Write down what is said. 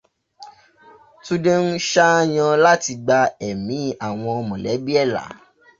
Túndé ń ṣaáyan láti gba ẹ̀mí àwọn mọ̀lẹ́bí ẹ̀ là